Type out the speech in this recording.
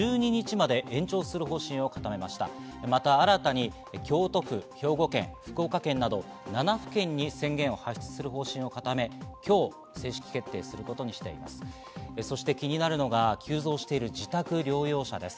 また新たに京都府、兵庫県、福岡県など７府県に宣言を発出する方針を固め、今日正式決定することにしています。